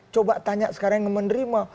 coba tanya sekarang yang menerima